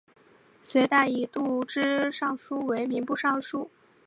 隋代以度支尚书为民部尚书。